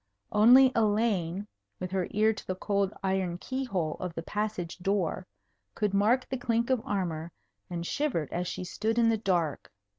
Only Elaine, with her ear to the cold iron key hole of the passage door, could mark the clink of armour, and shivered as she stood in the dark.